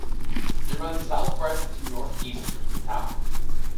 It runs southwest to northeast through the town.